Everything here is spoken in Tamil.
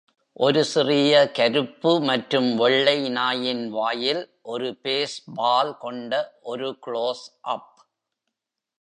ஒரு சிறிய கருப்பு மற்றும் வெள்ளை நாயின் வாயில் ஒரு பேஸ்பால் கொண்ட ஒரு குளோஸ் அப்.